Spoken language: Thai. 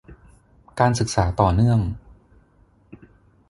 การศึกษาต่อเนื่อง